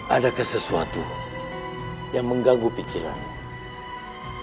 adakah sesuatu yang mengganggu pikirannya